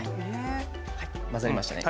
混ざりましたね。